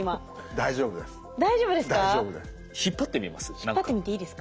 大丈夫ですか？